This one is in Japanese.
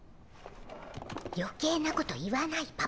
余計なこと言わない！